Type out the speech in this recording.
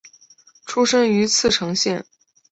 出身于茨城县。